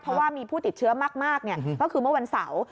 เพราะว่ามีผู้ติดเชื้อมากก็คือเมื่อวันเสาร์